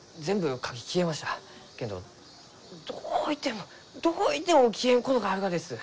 けんどどういてもどういても消えんことがあるがです。